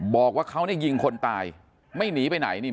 บอกว่าเขาเนี่ยยิงคนตายไม่หนีไปไหนนี่